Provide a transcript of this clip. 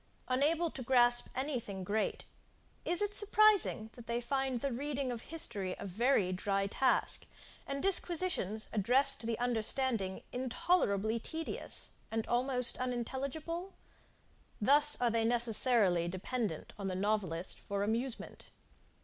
Unable to grasp any thing great, is it surprising that they find the reading of history a very dry task, and disquisitions addressed to the understanding, intolerably tedious, and almost unintelligible? Thus are they necessarily dependent on the novelist for amusement.